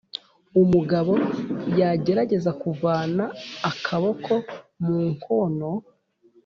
Umugabo yagerageza kuvana akaboko mu nkono